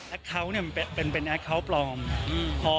แอคเคาท์เป็นแอคเคาท์ปลอม